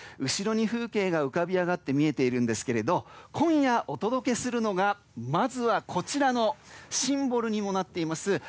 後ろに風景が浮かび上がって見えているんですけれど今夜、お届けするのがまずはこちらのシンボルにもなっています